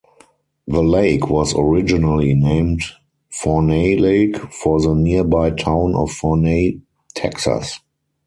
The lake was originally named Forney Lake for the nearby town of Forney, Texas.